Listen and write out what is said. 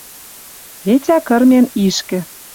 Петя кырмен ишкӹ